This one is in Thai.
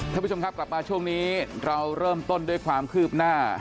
ท่านผู้ชมครับกลับมาช่วงนี้เราเริ่มต้นด้วยความคืบหน้า